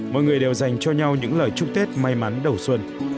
mọi người đều dành cho nhau những lời chúc tết may mắn đầu xuân